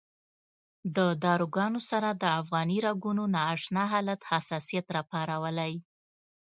د داروګانو سره د افغاني رګونو نا اشنا حالت حساسیت راپارولی.